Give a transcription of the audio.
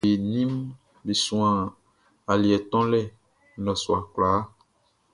Taluaʼm be nin be ninʼm be suan aliɛ tonlɛ nnɔsua kwlaa.